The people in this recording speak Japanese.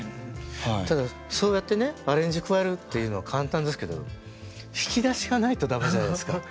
ただそうやってねアレンジ加えるっていうのは簡単ですけど引き出しがないと駄目じゃないですか。